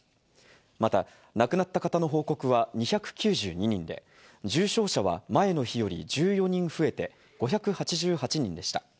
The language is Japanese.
また、亡くなった方の報告は２９２人で、重症者は前の日より１４人増えて５８８人でした。